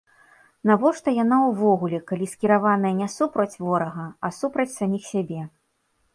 Навошта яна ўвогуле, калі скіраваная не супраць ворага, а супраць саміх сябе?